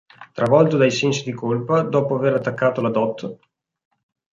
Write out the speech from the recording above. Travolto dai sensi di colpa, dopo aver attaccato la dott.